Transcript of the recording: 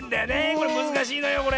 これむずかしいのよこれ。